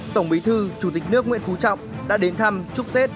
tổng bí thư chủ tịch nước nguyễn phú trọng đã đến thăm chúc tết